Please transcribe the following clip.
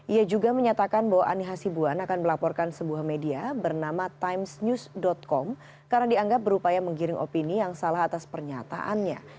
ia juga menyatakan bahwa ani hasibuan akan melaporkan sebuah media bernama timesnews com karena dianggap berupaya menggiring opini yang salah atas pernyataannya